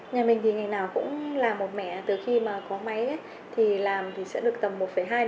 nhà mình thì ngày nào cũng làm một mẻ từ khi mà có máy thì làm thì sẽ được tầm một hai một bốn lít là cả nhà uống